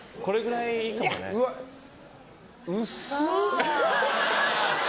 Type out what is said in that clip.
薄っ。